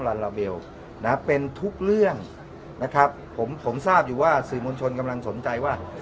ลาลาเบลนะเป็นทุกเรื่องนะครับผมผมทราบอยู่ว่าสื่อมวลชนกำลังสนใจว่า